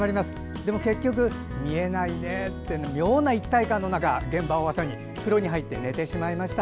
でも結局、見えないねと妙な一体感の中、現場をあとに風呂に入って寝てしまいました。